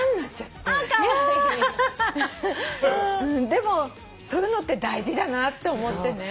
でもそういうのって大事だなって思ってね。